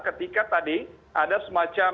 ketika tadi ada semacam